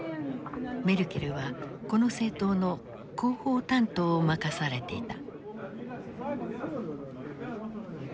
メルケルはこの政党の広報担当を任されていた。